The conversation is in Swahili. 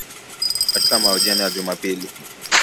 Katika mahojiano ya Jumapili